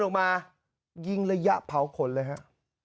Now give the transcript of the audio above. ออกมายิงระยะเผาขนเลยฮะ